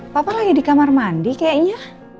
papa lagi di kamar mandi kayaknya